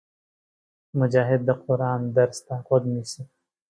مجاهد د قرآن درس ته غوږ نیسي.